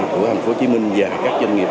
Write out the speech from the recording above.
của thành phố hồ chí minh và các doanh nghiệp